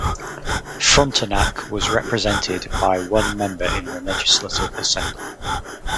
Frontenac was represented by one member in the Legislative Assembly.